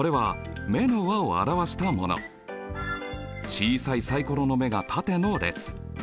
小さいサイコロの目がタテの列。